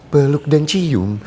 peluk dan cium